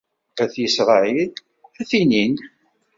At Isṛayil ad t-inin.